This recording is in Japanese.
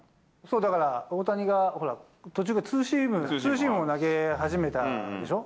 だから、大谷がほら、途中からツーシームを投げ始めたでしょ。